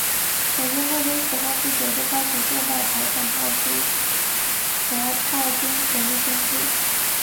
美军步兵此后不久就开始受到朝军迫炮和炮兵火力攻击。